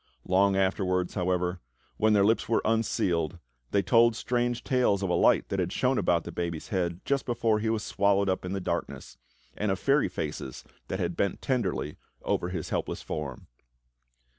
Long afterwards, however, when their lips were HOW ARTHUR WON HIS KINGDOM 15 unsealed, they told strange tales of a light that had shone about the baby's head just before he was swallowed up in the darkness, and of fairy faces that had bent tenderly over his helpless form.